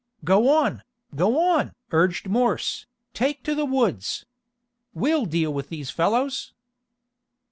"Go on! Go on!" urged Morse. "Take to the woods! We'll deal with these fellows!"